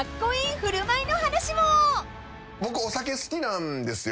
僕お酒好きなんですよ。